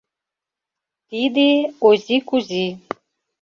Тиде — Ози Кузи.